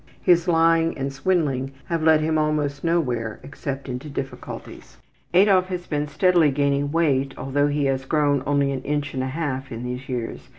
His lying and swindling have led him almost nowhere except into difficulties. Adolf has been steadily gaining weight, although he has grown only an inch and a half in these years.